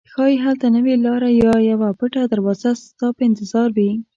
ښایي هلته نوې لاره یا یوه پټه دروازه ستا په انتظار وي.